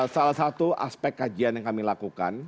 salah satu aspek kajian yang kami lakukan